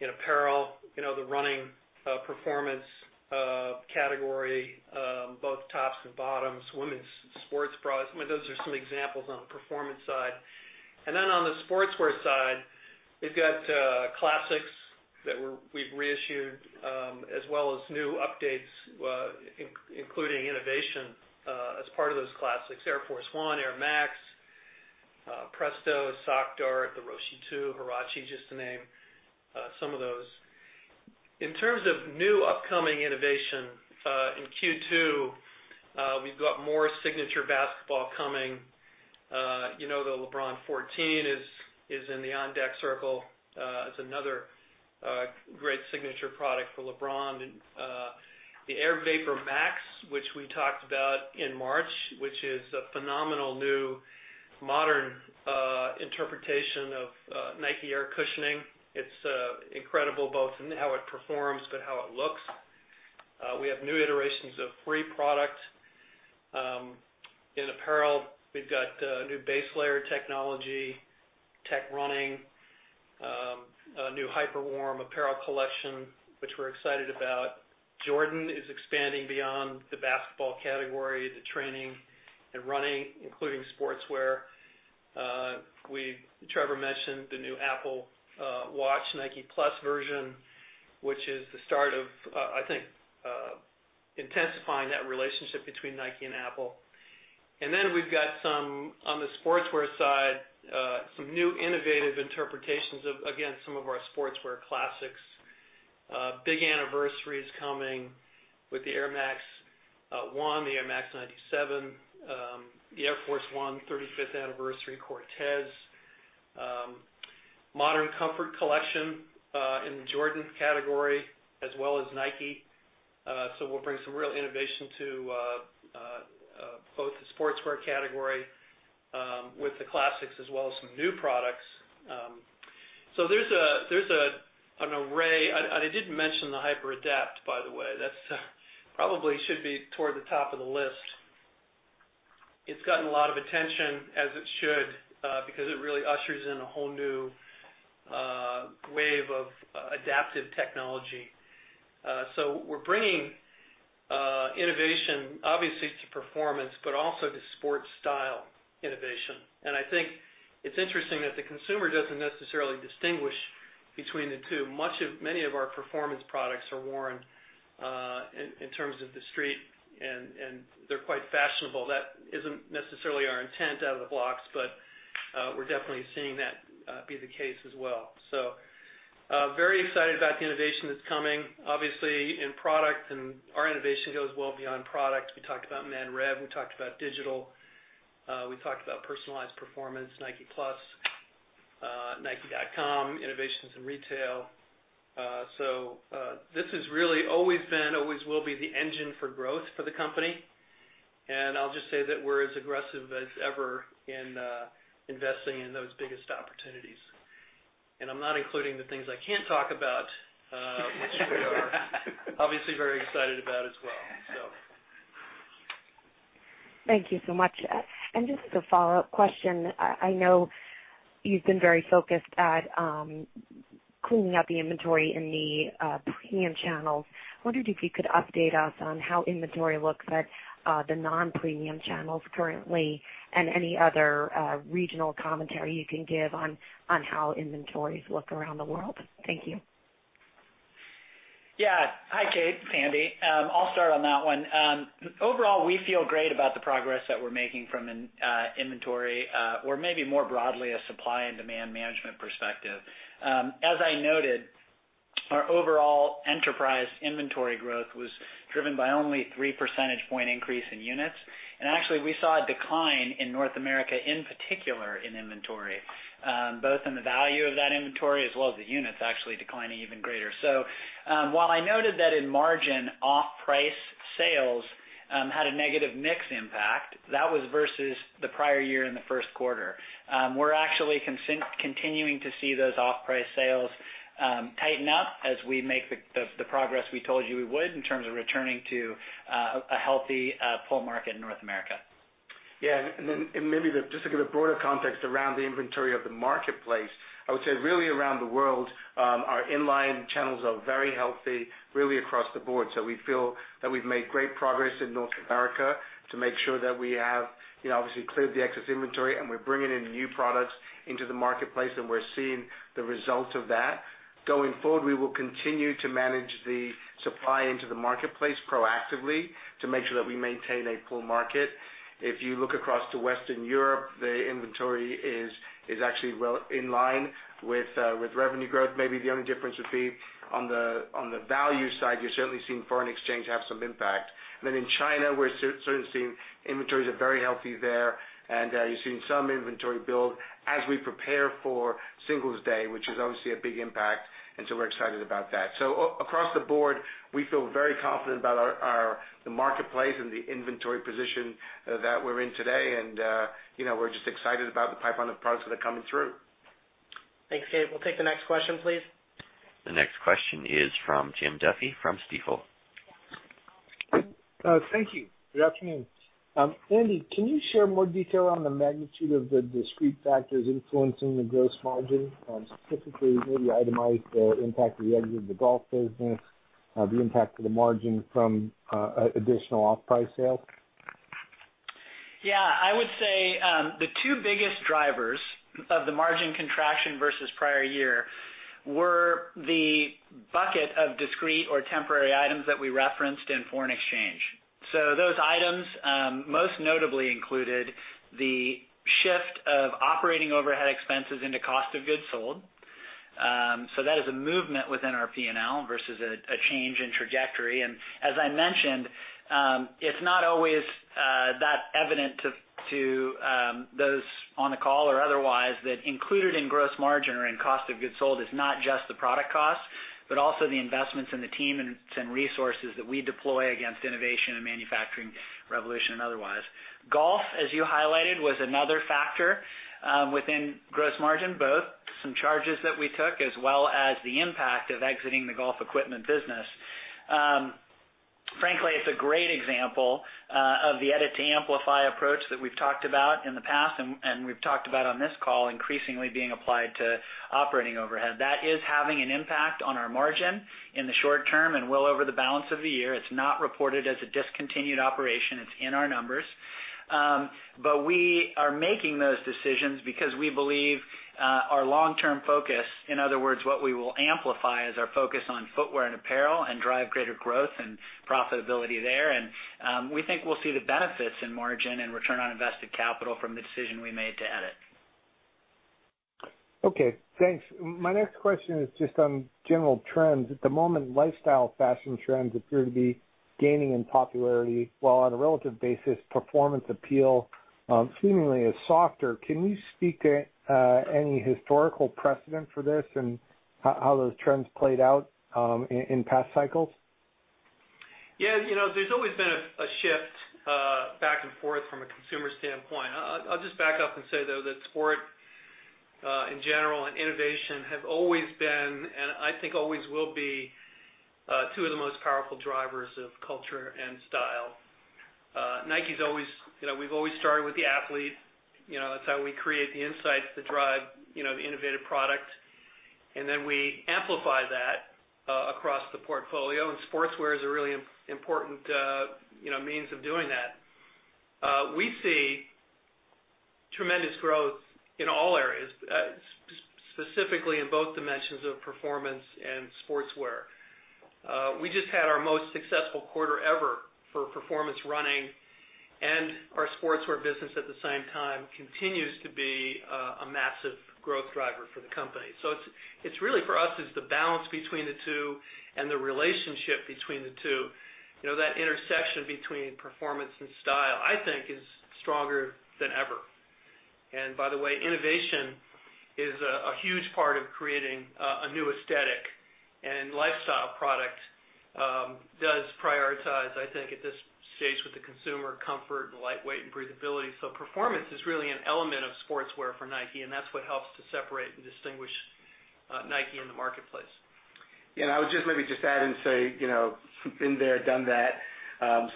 in apparel. The running performance category, both tops and bottoms, women's sports bras. Those are some examples on the performance side. Then on the sportswear side, we've got classics that we've reissued, as well as new updates including innovation as part of those classics. Air Force 1, Air Max, Presto, Sock Dart, the Roshe Two, Huarache, just to name some of those. In terms of new upcoming innovation, in Q2, we've got more signature basketball coming. The LeBron 14 is in the on-deck circle as another great signature product for LeBron. The Air VaporMax, which we talked about in March, which is a phenomenal new modern interpretation of Nike Air cushioning. It's incredible both in how it performs but how it looks. We have new iterations of Free product. In apparel, we've got new base layer technology, tech running, a new Hyperwarm apparel collection, which we're excited about. Jordan is expanding beyond the basketball category to training and running, including sportswear. Trevor mentioned the new Apple Watch Nike+ version, which is the start of, I think, intensifying that relationship between Nike and Apple. We've got, on the sportswear side, some new innovative interpretations of, again, some of our sportswear classics. Big anniversaries coming with the Air Max 1, the Air Max 97, the Air Force 1 35th anniversary, Cortez. Modern Comfort collection in the Jordan category as well as Nike. We'll bring some real innovation to both the sportswear category with the classics as well as some new products. There's an array. I didn't mention the HyperAdapt, by the way. That probably should be toward the top of the list. It's gotten a lot of attention, as it should because it really ushers in a whole new wave of adaptive technology. We're bringing innovation, obviously, to performance, but also to sport style innovation. I think it's interesting that the consumer doesn't necessarily distinguish between the two. Many of our performance products are worn in terms of the street, and they're quite fashionable. That isn't necessarily our intent out of the blocks, but we're definitely seeing that be the case as well. Very excited about the innovation that's coming, obviously, in product, and our innovation goes well beyond product. We talked about ManRev, we talked about digital, we talked about personalized performance, Nike+. nike.com, innovations in retail. This has really always been, always will be the engine for growth for the company. I'll just say that we're as aggressive as ever in investing in those biggest opportunities. I'm not including the things I can't talk about, which we are obviously very excited about as well.
Thank you so much. Just as a follow-up question, I know you've been very focused at cleaning up the inventory in the premium channels. I wondered if you could update us on how inventory looks at the non-premium channels currently and any other regional commentary you can give on how inventories look around the world. Thank you.
Yeah. Hi, Kate. It's Andy. I'll start on that one. Overall, we feel great about the progress that we're making from an inventory, or maybe more broadly, a supply and demand management perspective. As I noted, our overall enterprise inventory growth was driven by only three percentage point increase in units. Actually, we saw a decline in North America, in particular, in inventory, both in the value of that inventory as well as the units actually declining even greater. While I noted that in margin, off-price sales had a negative mix impact, that was versus the prior year in the first quarter. We're actually continuing to see those off-price sales tighten up as we make the progress we told you we would in terms of returning to a healthy pull market in North America.
Maybe just to give a broader context around the inventory of the marketplace, I would say really around the world, our inline channels are very healthy really across the board. We feel that we've made great progress in North America to make sure that we have obviously cleared the excess inventory and we're bringing in new products into the marketplace, and we're seeing the results of that. Going forward, we will continue to manage the supply into the marketplace proactively to make sure that we maintain a pull market. If you look across to Western Europe, the inventory is actually well inline with revenue growth. Maybe the only difference would be on the value side, you're certainly seeing foreign exchange have some impact. In China, we're certainly seeing inventories are very healthy there, and you're seeing some inventory build as we prepare for Singles Day, which is obviously a big impact. We're excited about that. Across the board, we feel very confident about the marketplace and the inventory position that we're in today. We're just excited about the pipeline of products that are coming through.
Thanks, Kate. We'll take the next question, please.
The next question is from Jim Duffy from Stifel.
Thank you. Good afternoon. Andy, can you share more detail on the magnitude of the discrete factors influencing the gross margin? Specifically, maybe itemize the impact of the exit of the golf business, the impact of the margin from additional off-price sales.
Yeah. I would say, the two biggest drivers of the margin contraction versus prior year were the bucket of discrete or temporary items that we referenced in foreign exchange. Those items, most notably included the shift of operating overhead expenses into cost of goods sold. That is a movement within our P&L versus a change in trajectory. As I mentioned, it's not always that evident to those on the call or otherwise, that included in gross margin or in cost of goods sold is not just the product cost, but also the investments in the team and resources that we deploy against innovation and Manufacturing Revolution and otherwise. Golf, as you highlighted, was another factor within gross margin, both some charges that we took as well as the impact of exiting the golf equipment business. Frankly, it's a great example of the Edit to Amplify approach that we've talked about in the past and we've talked about on this call increasingly being applied to operating overhead. That is having an impact on our margin in the short term and well over the balance of the year. It's not reported as a discontinued operation. It's in our numbers. We are making those decisions because we believe, our long-term focus, in other words, what we will amplify as our focus on footwear and apparel and drive greater growth and profitability there. We think we'll see the benefits in margin and return on invested capital from the decision we made to edit.
Okay, thanks. My next question is just on general trends. At the moment, lifestyle fashion trends appear to be gaining in popularity, while on a relative basis, performance appeal seemingly is softer. Can you speak to any historical precedent for this and how those trends played out, in past cycles?
Yeah. There's always been a shift back and forth from a consumer standpoint. I'll just back up and say, though, that sport, in general, and innovation have always been, and I think always will be, two of the most powerful drivers of culture and style. Nike's always started with the athlete. That's how we create the insights that drive the innovative product. We amplify that across the portfolio. Sportswear is a really important means of doing that. We see tremendous growth in all areas, specifically in both dimensions of performance and sportswear. We just had our most successful quarter ever for performance running, and our sportswear business at the same time continues to be a massive growth driver for the company. It's really for us, is the balance between the two and the relationship between the two. That intersection between performance and style, I think, is stronger than ever. By the way, innovation is a huge part of creating a new aesthetic, and lifestyle product does prioritize, I think at this stage, with the consumer comfort and lightweight and breathability. Performance is really an element of sportswear for Nike, and that's what helps to separate and distinguish Nike in the marketplace.
Yeah, I would just maybe just add and say, been there, done that.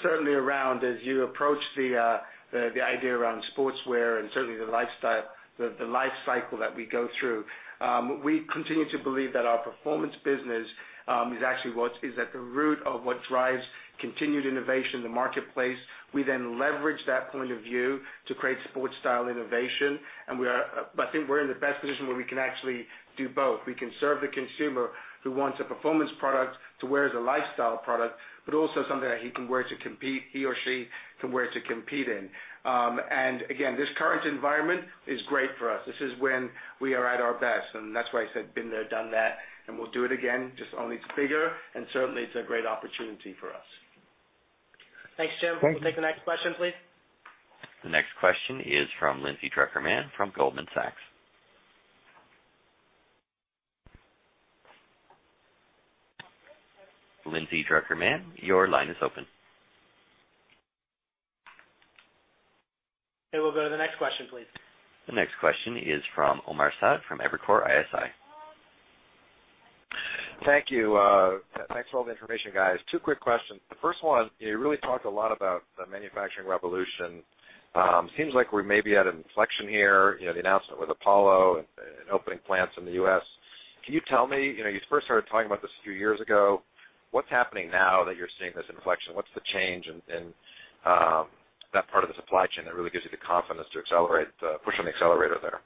Certainly around as you approach the idea around sportswear and certainly the life cycle that we go through. We continue to believe that our performance business is actually what is at the root of what drives continued innovation in the marketplace. We leverage that point of view to create sport style innovation. I think we're in the best position where we can actually do both. We can serve the consumer who wants a performance product to wear as a lifestyle product, but also something that he or she can wear to compete in. Again, this current environment is great for us. This is when we are at our best, and that's why I said, been there, done that, and we'll do it again, just only it's bigger, and certainly, it's a great opportunity for us.
Thanks, Jim. Thank you. We'll take the next question, please.
The next question is from Lindsay Drucker Mann from Goldman Sachs. Lindsay Drucker Mann, your line is open.
Okay, we'll go to the next question, please.
The next question is from Omar Saad from Evercore ISI.
Thank you. Thanks for all the information, guys. Two quick questions. The first one, you really talked a lot about the Manufacturing Revolution. Seems like we may be at an inflection here, the announcement with Apollo and opening plants in the U.S. Can you tell me, you first started talking about this a few years ago. What's happening now that you're seeing this inflection? What's the change in that part of the supply chain that really gives you the confidence to push on the accelerator there?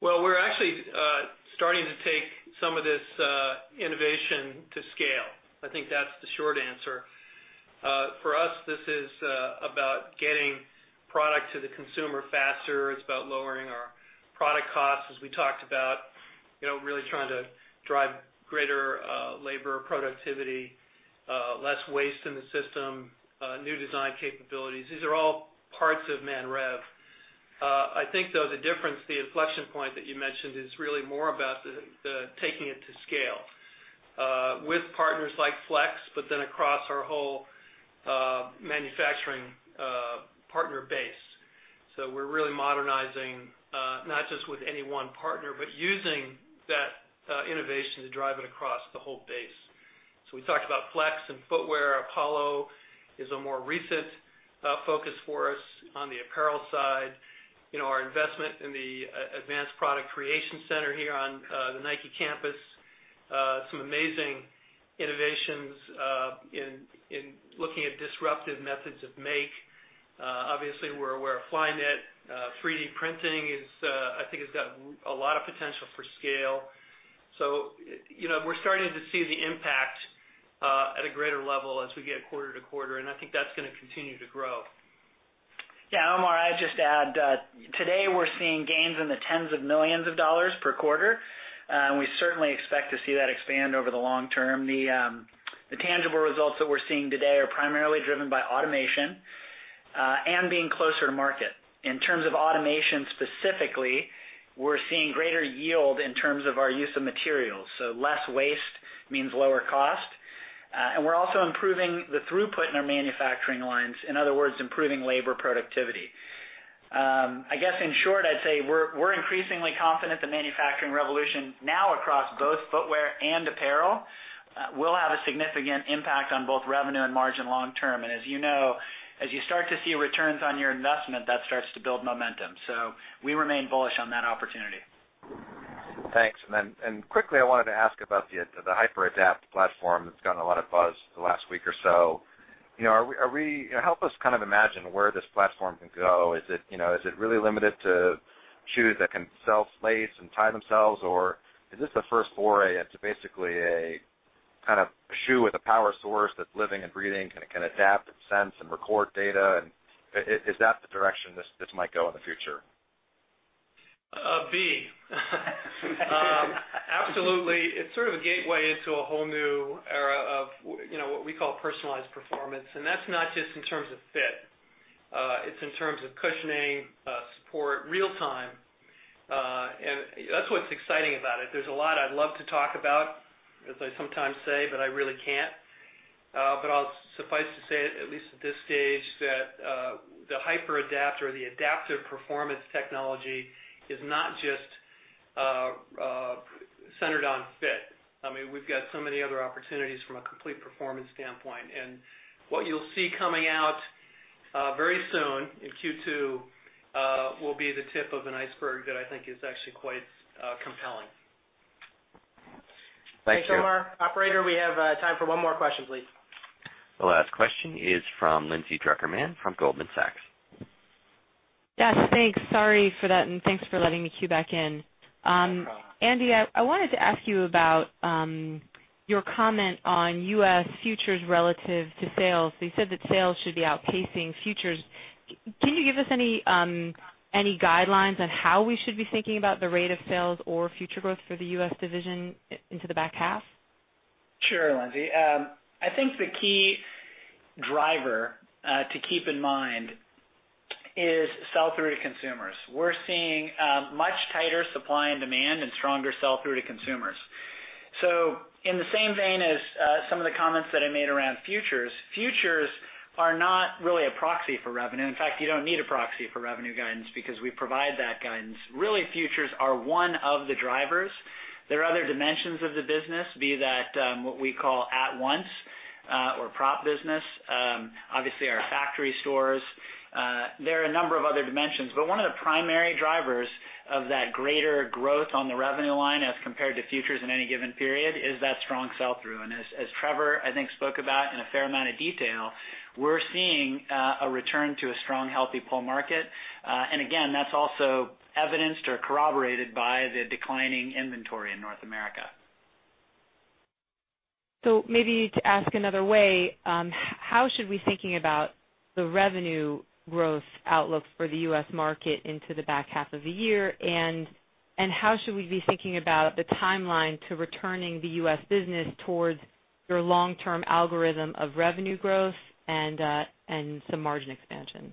Well, we're actually starting to take some of this innovation to scale. I think that's the short answer. For us, this is about getting product to the consumer faster. It's about lowering our product costs, as we talked about, really trying to drive greater labor productivity, less waste in the system, new design capabilities. These are all parts of ManRev. I think, though, the difference, the inflection point that you mentioned is really more about the taking it to scale, with partners like Flex, but then across our whole manufacturing partner base. We're really modernizing, not just with any one partner, but using that innovation to drive it across the whole base. We talked about Flex and footwear. Apollo is a more recent focus for us on the apparel side. Our investment in the Advanced Product Creation Center here on the Nike campus, some amazing innovations in looking at disruptive methods of make. Obviously, we're aware of Flyknit. 3D printing, I think, has got a lot of potential for scale. We're starting to see the impact at a greater level as we get quarter to quarter, and I think that's going to continue to grow.
Yeah, Omar, I'd just add, today we're seeing gains in the $ tens of millions per quarter. We certainly expect to see that expand over the long term. The tangible results that we're seeing today are primarily driven by automation and being closer to market. In terms of automation specifically, we're seeing greater yield in terms of our use of materials, so less waste means lower cost. We're also improving the throughput in our manufacturing lines, in other words, improving labor productivity. I guess, in short, I'd say we're increasingly confident the manufacturing revolution, now across both footwear and apparel, will have a significant impact on both revenue and margin long term. As you know, as you start to see returns on your investment, that starts to build momentum. We remain bullish on that opportunity.
Thanks. Quickly, I wanted to ask about the HyperAdapt platform that's gotten a lot of buzz the last week or so. Help us kind of imagine where this platform can go. Is it really limited to shoes that can self-lace and tie themselves? Is this the first foray into basically a kind of shoe with a power source that's living and breathing, kind of can adapt and sense and record data, is that the direction this might go in the future?
B. Absolutely. It's sort of a gateway into a whole new era of what we call personalized performance, and that's not just in terms of fit. It's in terms of cushioning, support, real time. That's what's exciting about it. There's a lot I'd love to talk about, as I sometimes say, but I really can't. I'll suffice to say, at least at this stage, that the HyperAdapt or the adaptive performance technology is not just centered on fit. We've got so many other opportunities from a complete performance standpoint. What you'll see coming out very soon in Q2 will be the tip of an iceberg that I think is actually quite compelling.
Thank you.
Thanks, Omar. Operator, we have time for one more question, please.
The last question is from Lindsay Drucker Mann from Goldman Sachs.
Yes, thanks. Sorry for that, and thanks for letting me queue back in.
No problem.
Andy, I wanted to ask you about your comment on U.S. futures relative to sales. You said that sales should be outpacing futures. Can you give us any guidelines on how we should be thinking about the rate of sales or future growth for the U.S. division into the back half?
Sure, Lindsay. I think the key driver to keep in mind is sell-through to consumers. We're seeing much tighter supply and demand and stronger sell-through to consumers. In the same vein as some of the comments that I made around futures are not really a proxy for revenue. In fact, you don't need a proxy for revenue guidance because we provide that guidance. Really, futures are one of the drivers. There are other dimensions of the business, be that what we call at once, or prop business. Obviously, our factory stores. There are a number of other dimensions, but one of the primary drivers of that greater growth on the revenue line as compared to futures in any given period, is that strong sell-through. As Trevor, I think, spoke about in a fair amount of detail, we're seeing a return to a strong, healthy pull market. Again, that is also evidenced or corroborated by the declining inventory in North America.
Maybe to ask another way, how should we thinking about the revenue growth outlook for the U.S. market into the back half of the year? How should we be thinking about the timeline to returning the U.S. business towards your long-term algorithm of revenue growth and some margin expansion?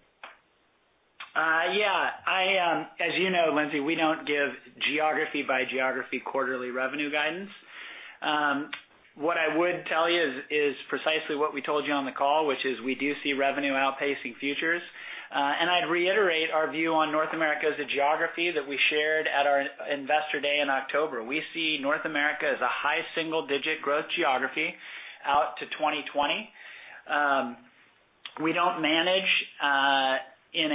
As you know, Lindsay, we do not give geography by geography quarterly revenue guidance. What I would tell you is precisely what we told you on the call, which is we do see revenue outpacing futures. I would reiterate our view on North America as a geography that we shared at our investor day in October. We see North America as a high single-digit growth geography out to 2020. We do not manage in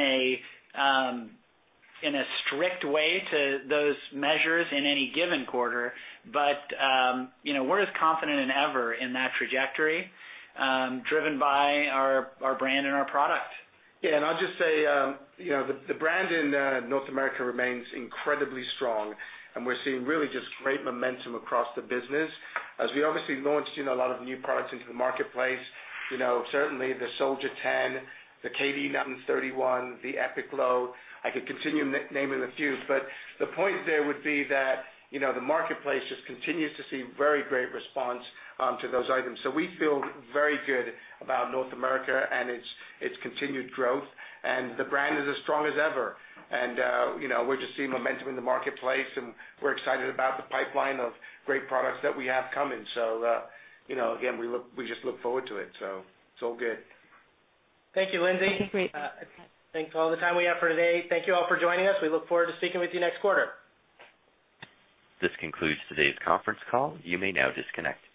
a strict way to those measures in any given quarter. We are as confident than ever in that trajectory, driven by our brand and our product.
I will just say, the brand in North America remains incredibly strong, and we are seeing really just great momentum across the business as we obviously launched a lot of new products into the marketplace. Certainly the Soldier 10, the KD, the 31, the Epic Low. I could continue naming a few, the point there would be that the marketplace just continues to see very great response to those items. We feel very good about North America and its continued growth, the brand is as strong as ever. We are just seeing momentum in the marketplace, we are excited about the pipeline of great products that we have coming. Again, we just look forward to it is all good.
Thank you, Lindsay.
Okay, great.
I think that's all the time we have for today. Thank you all for joining us. We look forward to speaking with you next quarter.
This concludes today's conference call. You may now disconnect.